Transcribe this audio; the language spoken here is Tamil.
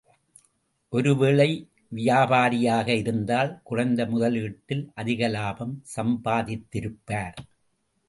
ஒரு வேளை வியாபாரியாக இருந்தால் குறைந்த முதலீட்டில் அதிக லாபம் சம்பாதித்திருப்பார்!